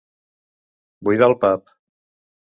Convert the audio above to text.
Buidar el pap.